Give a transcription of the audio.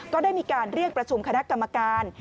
ก็ได้มีการเรียกประชุมคณะกรรมการ